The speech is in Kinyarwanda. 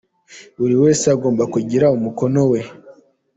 buriwese agomba kugira umukono we.